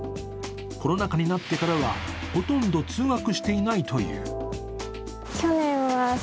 コロナ禍になってからはほとんど通学していないという。